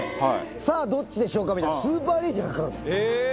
さあ、どっちでしょうかみたいな、スーパーリーチがかかるの。